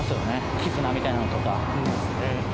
絆みたいなのとか。